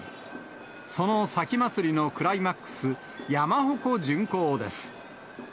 その前祭のクライマックス、山鉾巡行です。